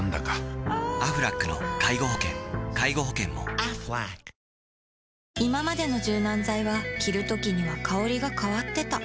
果たしていままでの柔軟剤は着るときには香りが変わってた